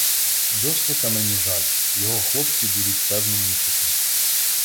— Йослика мені жаль, його хлопці будуть, певно, мучити.